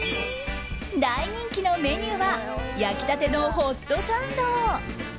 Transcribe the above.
大人気のメニューは焼きたてのホットサンド。